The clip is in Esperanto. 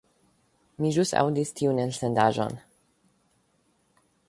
Mi ĵus aŭdis tiun elsendaĵon.